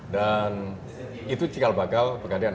dan itu cikal bakal pegadaian